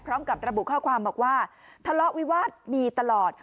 พร้อมกับระบุข้อความบอกว่าทะเลาะวิวาสมีตลอด